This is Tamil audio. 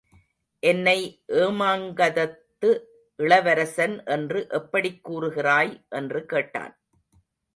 என்னை ஏமாங்கதத்து இளவரசன் என்று எப்படிக் கூறுகிறாய் என்று கேட்டான்.